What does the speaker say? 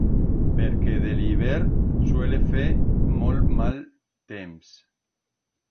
Perque de l'hibert suele fer molt mal temps.